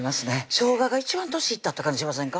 しょうがが一番年いったって感じしませんか？